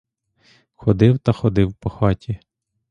Ходив та ходив по хаті.